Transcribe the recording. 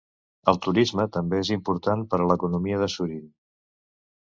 El turisme també és important per a la economia de Surin.